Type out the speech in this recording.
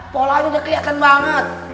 pola udah keliatan banget